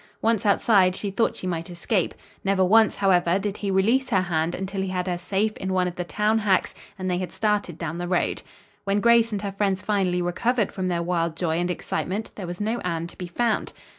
Once outside, she thought she might escape. Never once, however, did he release her hand until he had her safe in one of the town hacks and they had started down the road. When Grace and her friends finally recovered from their wild joy and excitement there was no Anne to be found.